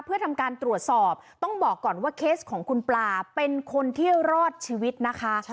เพื่อทำการตรวจสอบต้องบอกก่อนว่าเคสของคุณปลาเป็นคนที่รอดชีวิตนะคะ